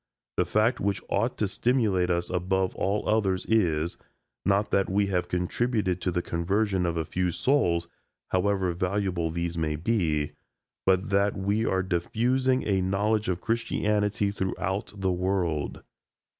The fact which ought to stimulate us above all others is, not that we have contributed to the conversion of a few souls, however valuable these may be, but that we are diffusing a knowledge of Christianity throughout the world.